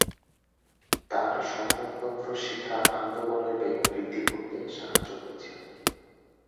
তার সংবাদপত্র শিখা আন্দোলনের বেগ বৃদ্ধি করতে সাহায্য করেছিল।